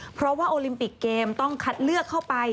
เพราะว่าโอลิมปิกเกมต้องคัดเลือกเข้าไป